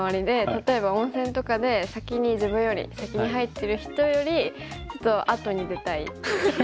例えば温泉とかで先に自分より先に入ってる人よりちょっと後に出たい。